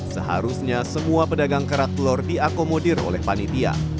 seharusnya semua pedagang kerak telur diakomodir oleh panitia